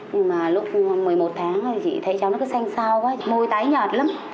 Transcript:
nhưng mà lúc một mươi một tháng thì chị thấy cháu nó cứ xanh sao quá môi tái nhạt lắm